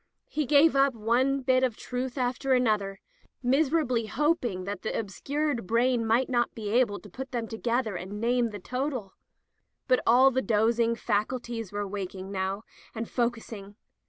He gave up one bit of truth after another, miserably hoping that the obscured brain might not be able to put them together and name the total. But all the dozing faculties were waking now, and focusing.